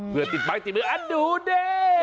เผื่อติดไปอันดูดิ